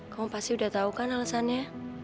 kamu pasti udah tau kan alasannya